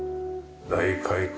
大開口